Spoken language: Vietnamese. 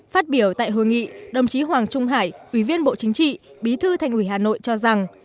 phát biểu tại hội nghị đồng chí hoàng trung hải ủy viên bộ chính trị bí thư thành ủy hà nội cho rằng